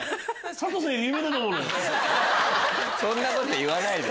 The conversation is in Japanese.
そんなこと言わないで！